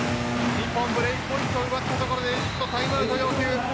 日本、ブレークポイントを奪ったところでエジプトタイムアウト要求です。